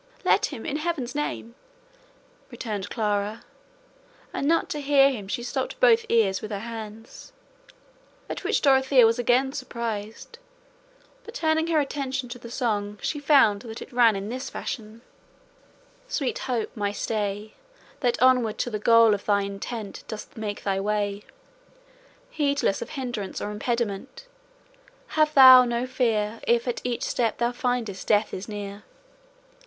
"Let him, in Heaven's name," returned Clara; and not to hear him she stopped both ears with her hands, at which Dorothea was again surprised; but turning her attention to the song she found that it ran in this fashion: Sweet Hope, my stay, That onward to the goal of thy intent Dost make thy way, Heedless of hindrance or impediment, Have thou no fear If at each step thou findest death is near.